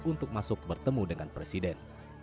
untuk masuk bertemu dengan presiden